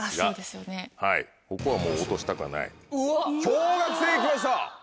小学生きました！